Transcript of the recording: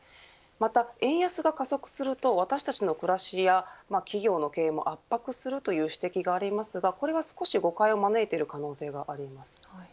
また、円安が加速すると私たちの暮らしや企業の経営も圧迫するという指摘がありますがこれは少し誤解を招く可能性があります。